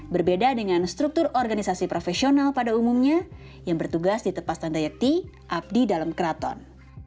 berbeda dengan struktur organisasi profesional pada umumnya yang bertugas di tepas tanda yeti abdi dalam keraton